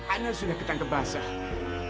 anda sudah ketangke basah